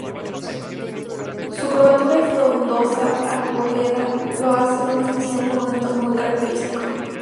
Su curvatura y frondosa arboleda la hacen una estación con un entorno muy característico.